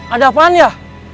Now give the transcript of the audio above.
ada apaan ya